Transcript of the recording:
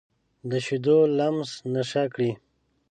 د شیدو لمس نشه کړي